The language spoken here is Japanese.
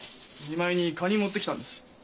見舞いにカニ持ってきたんです。